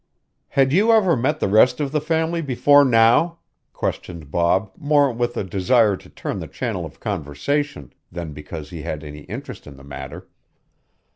"Had you ever met the rest of the family before now?" questioned Bob more with a desire to turn the channel of conversation than because he had any interest in the matter.